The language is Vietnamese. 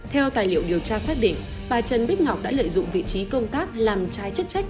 theo tài liệu điều tra xác định bà trần bích ngọc đã lợi dụng vị trí công tác làm trái chức trách